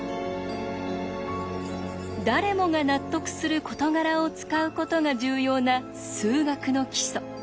誰もが納得する事柄を使うことが重要な数学の基礎。